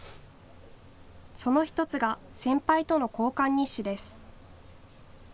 その１つが先輩との交換日誌です。